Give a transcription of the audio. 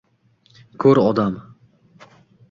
Ko‘r odam.